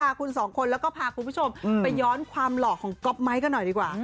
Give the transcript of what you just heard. คุณสองคนแล้วก็พาคุณผู้ชมไปย้อนความหล่อของก๊อปไม้กันหน่อยดีกว่า